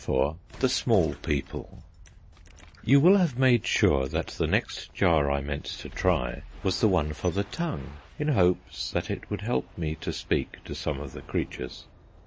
IV THE SMALL PEOPLE You will have made sure that the next jar I meant to try was the one for the tongue, in hopes that it would help me to speak to some of the creatures.